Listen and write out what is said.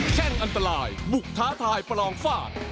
แค่งอันตรายบุกท้าทายประลองฟาด